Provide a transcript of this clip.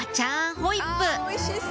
ホイップ